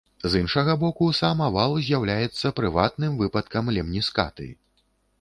З іншага боку, сам авал з'яўляецца прыватным выпадкам лемніскаты.